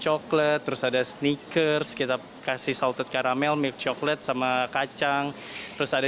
chocolate terus ada sneakers kita kasih salted karamel milk chocolate sama kacang terus ada